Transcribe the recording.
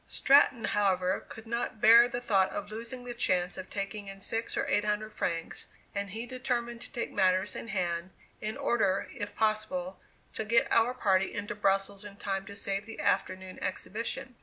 Stratton, however, could not bear the thought of losing the chance of taking in six or eight hundred francs, and he determined to take matters in hand, in order, if possible, to get our party into Brussels in time to save the afternoon exhibition.